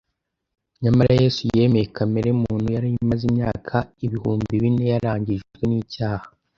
Nyamara Yesu yemeye kamere muntu yari imaze imyaka ibihumbi bine yarangijwe n'icyaha.